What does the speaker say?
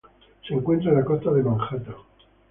Se encuentra en la costa de Manhattan.